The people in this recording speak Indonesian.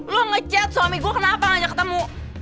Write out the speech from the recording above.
lo ngechat suami gue kenapa ngajak ketemu